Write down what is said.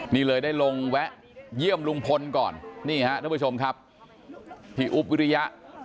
นี่เลยได้ลงแวะเยี่ยมลุงพลก่อนนี่ฮะท่านผู้ชมครับพี่อุ๊บวิริยะ